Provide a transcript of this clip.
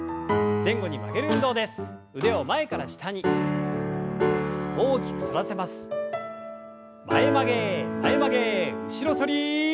前曲げ前曲げ後ろ反り。